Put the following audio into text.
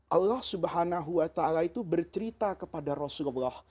allah subhanahu wa ta'ala itu bercerita kepada rasulullah